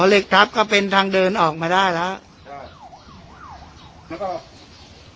อ๋อเหล็กทัพก็เป็นทางเดินออกมาได้แล้ว